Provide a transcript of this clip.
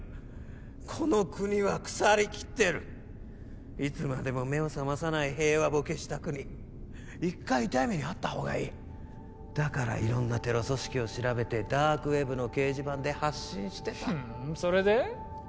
この国は腐りきってるいつまでも目を覚まさない平和ボケした国一回痛い目に遭った方がいいだから色んなテロ組織を調べてダークウェブの掲示板で発信してたふんそれで？